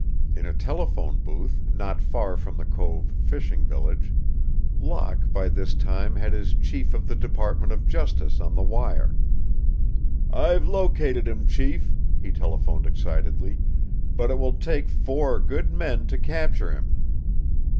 In a telephone booth, not far from the cove fishing village, Locke by this time had his chief of the Department of Justice on the wire. "I've located him, Chief," he telephoned, excitedly, "but it will take four good men to capture him."